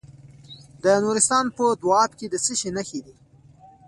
د نورستان په دو اب کې د څه شي نښې دي؟